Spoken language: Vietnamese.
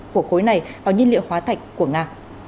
của khối này vào nhiên liệu hóa thạch của nga